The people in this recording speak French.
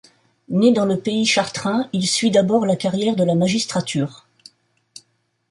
Né dans le pays chartrain, il suit d'abord la carrière de la magistrature.